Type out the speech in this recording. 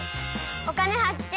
「お金発見」。